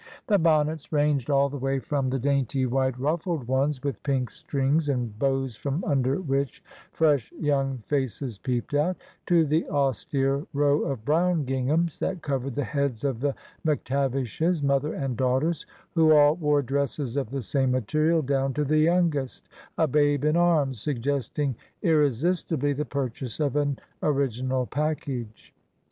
The bonnets ranged all the way from the dainty white ruffled ones, with pink strings and bows from under which fresh young faces peeped out, to the austere row of brown ginghams that covered the heads of the Mc Tavishes, mother and daughters, who all wore dresses of the same material, down to the youngest, a babe in arms, —suggesting irresistibly the purchase of an '' origi nal package."